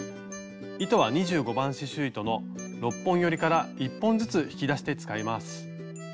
糸は２５番刺しゅう糸の６本よりから１本ずつ引き出して使います。